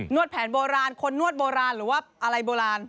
วดแผนโบราณคนนวดโบราณหรือว่าอะไรโบราณ